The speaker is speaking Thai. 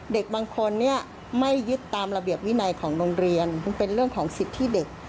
เด็กบางคนเนี่ยไม่ยึดตามระเบียบวินัยของโรงเรียนเป็นเรื่องของสิทธิเด็ก